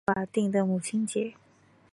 目前大中华各地区均无法定的母亲节。